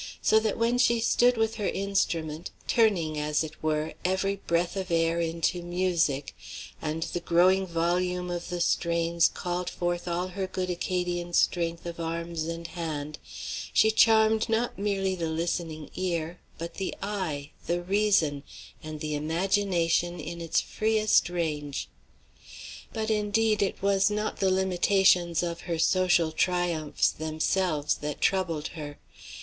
So that when she stood with her instrument, turning, as it were, every breath of air into music, and the growing volume of the strains called forth all her good Acadian strength of arms and hand, she charmed not merely the listening ear, but the eye, the reason, and the imagination in its freest range. But, indeed, it was not the limitations of her social triumphs themselves that troubled her.